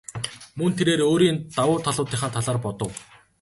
Мөн тэрээр өөрийн давуу талуудынхаа талаар бодов.